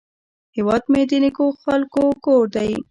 هیواد مې د نیکو خلکو کور دی